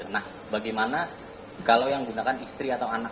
nah bagaimana kalau yang gunakan istri atau anak